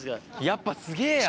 やっぱすげぇや！